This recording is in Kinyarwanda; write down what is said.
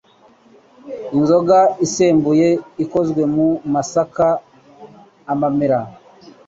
Inzoga isembuye ikozwe mu masakay'amamera,